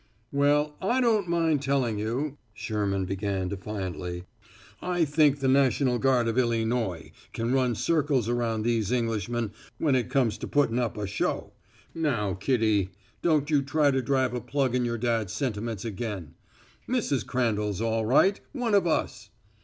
"Well, I don't mind tellin' you," Sherman began defiantly, "I think the national guard of Illynoy can run circles around these Englishmen when it comes to puttin' up a show. Now, Kitty, don't you try to drive a plug in your dad's sentiments again; Mrs. Crandall's all right one of us."